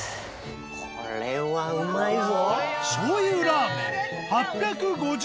これはうまいぞ。